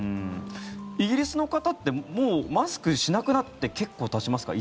イギリスの方ってもうマスクしなくなって結構たちますか？